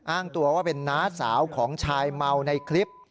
อ้างตัวว่าเป็นน้าสาวของชายเมาในคลิป